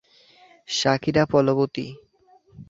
Shakira ফলবতী।